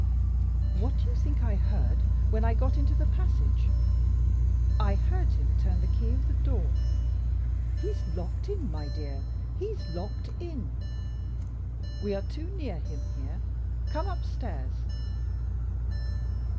What do you think I heard when I got into the passage? I heard him turn the key of the door. He's locked in, my dear; he's locked in! We are too near him here. Come upstairs."